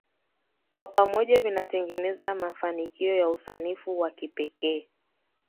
Kwa pamoja vinatengeneza mafanikio ya usanifu wa kipekee